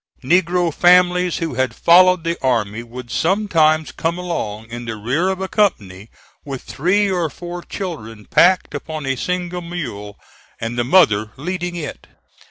Negro families who had followed the army would sometimes come along in the rear of a company, with three or four children packed upon a single mule, and the mother leading it.